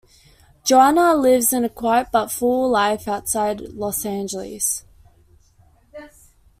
Joanna lives a quiet but full life outside Los Angeles.